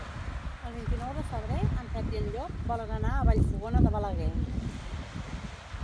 El vint-i-nou de febrer en Pep i en Llop volen anar a Vallfogona de Balaguer.